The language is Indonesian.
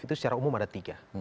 itu secara umum ada tiga